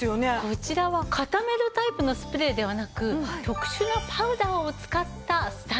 こちらは固めるタイプのスプレーではなく特殊なパウダーを使ったスタイリングアイテムなんです。